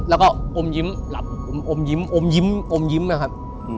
แล้วก็อมยิ้มหลับอมยิ้มอมยิ้มอมยิ้มนะครับ